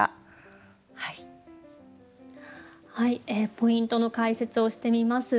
ポイントの解説をしてみます。